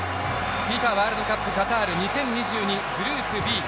ＦＩＦＡワールドカップカタール２０２２、グループＢ。